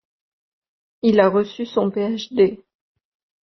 Il a reçu son Ph.D.